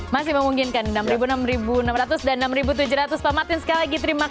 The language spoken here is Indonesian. masih memungkinkan enam enam ratus dan enam tujuh ratus pak martin sekali lagi terima kasih